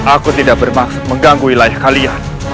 aku tidak bermaksud mengganggu wilayah kalian